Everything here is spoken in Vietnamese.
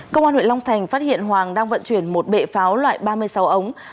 công an huyện long thành phát hiện hoàng đang vận chuyển một bệ pháo loại ba mươi sáu ống